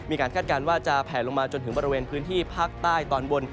คาดการณ์ว่าจะแผลลงมาจนถึงบริเวณพื้นที่ภาคใต้ตอนบน